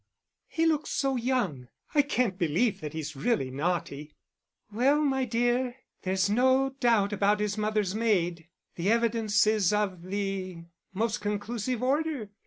"He looks so young. I can't believe that he's really very naughty." "Well, my dear, there's no doubt about his mother's maid. The evidence is of the most conclusive order.